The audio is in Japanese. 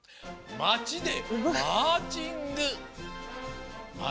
まちでマーチング。